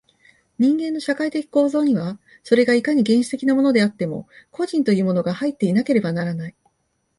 人間の社会的構造には、それがいかに原始的なものであっても、個人というものが入っていなければならない。